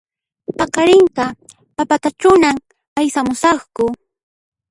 Paqarinqa papatachunan aysamusaqku